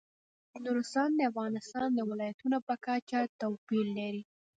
نورستان د افغانستان د ولایاتو په کچه توپیر لري.